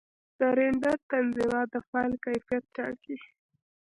د رېنډر تنظیمات د فایل کیفیت ټاکي.